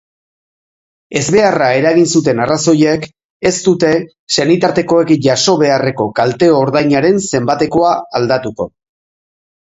Ezbeharra eragin zuten arrazoiek ez dute senitartekoek jaso beharreko kalte-ordainaren zenbatekoa aldatuko.